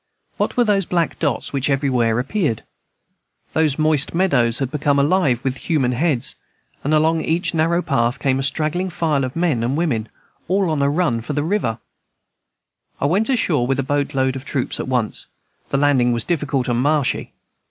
What were those black dots which everywhere appeared? Those moist meadows had become alive with human heads, and along each narrow path came a straggling file of men and women, all on a run for the river side. I went ashore with a boat load of troops at once. The landing was difficult and marshy.